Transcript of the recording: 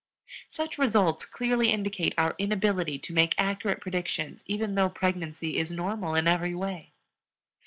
Such results clearly indicate our inability to make accurate predictions even though pregnancy is normal in every way.